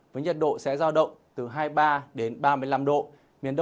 với nhiệt độ sẽ giao động từ hai mươi ba đến ba mươi năm độ